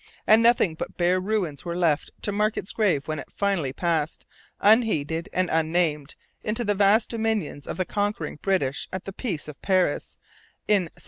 And nothing but bare ruins were left to mark its grave when it finally passed, unheeded and unnamed, into the vast dominions of the conquering British at the Peace of Paris in 1763.